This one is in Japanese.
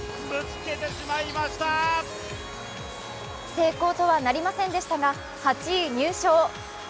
成功とはなりませんでしたが８位入賞。